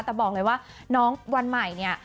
แต่บอกเลยว่าน้องวันใหม่เนี่ย